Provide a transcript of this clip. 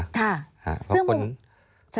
ค่ะซึ่งมุม